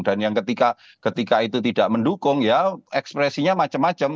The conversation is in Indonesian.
dan ketika itu tidak mendukung ekspresinya macam macam